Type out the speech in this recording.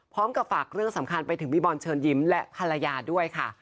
ฝากเรื่องสำคัญไปถึงพี่บอลเชิญยิ้มและภรรยาด้วยค่ะ